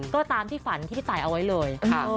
ก็ตามที่ฝันที่พี่ตายเอาไว้เลย